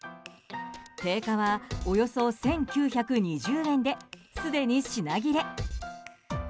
定価は、およそ１９２０円ですでに品切れ。